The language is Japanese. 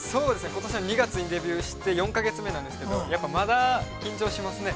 ◆ことしの２月にデビューして、４か月目なんですけれども、まだ、緊張しますね。